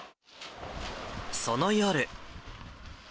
その夜。